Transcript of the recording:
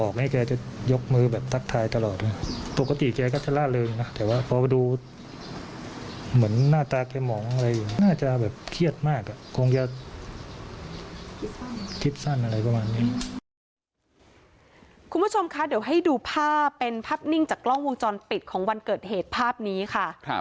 คุณผู้ชมคะเดี๋ยวให้ดูภาพเป็นภาพนิ่งจากกล้องวงจรปิดของวันเกิดเหตุภาพนี้ค่ะ